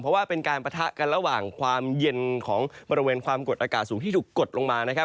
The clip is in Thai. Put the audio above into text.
เพราะว่าเป็นการปะทะกันระหว่างความเย็นของบริเวณความกดอากาศสูงที่ถูกกดลงมานะครับ